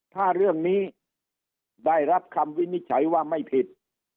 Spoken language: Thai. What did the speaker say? ถ้าเรื่องนี้ได้รับคำวินิจฉัยว่าไม่ผิด